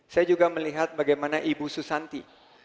saya juga melihat bagaimana ibu susanti